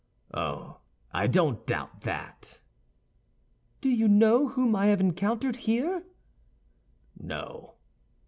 "Oh, I don't doubt that." "Do you know whom I have encountered here?" "No."